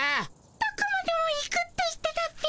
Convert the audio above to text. どこまでも行くって言ってたっピ。